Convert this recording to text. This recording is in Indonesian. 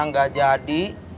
nontonnya gak jadi